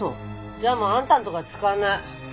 じゃあもうあんたのとこは使わない。